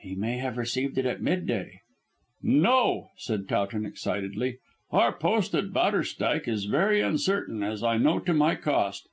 "He may have received it at mid day." "No," said Towton decidedly. "Our post at Bowderstyke is very uncertain, as I know to my cost.